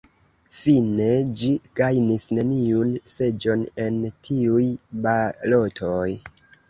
Fine ĝi gajnis neniun seĝon en tiuj balotoj.